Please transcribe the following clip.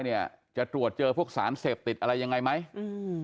เนี่ยจะตรวจเจอพวกสารเสพติดอะไรยังไงไหมอืม